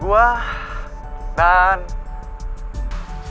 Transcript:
gue lagi ada masalah sama temen temen band gue